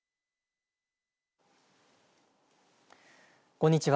こんにちは。